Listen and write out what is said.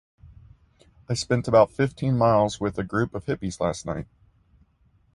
I spent about fifteen miles with a group of hippies last night.